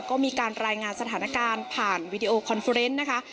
ก็มีการรายงานสถานการณ์ผ่านวีดีโอคอนเฟอร์เนสนะคะ